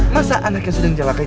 masa anak yang sudah mencelakai